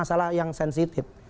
ini masalah yang sensitif